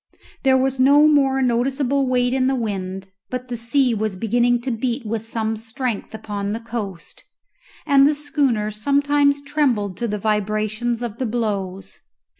There was no more noticeable weight in the wind, but the sea was beginning to beat with some strength upon the coast, and the schooner sometimes trembled to the vibrations of the blows.